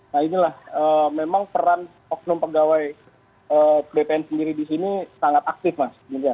nah inilah memang peran oknum pegawai bpn sendiri di sini sangat aktif mas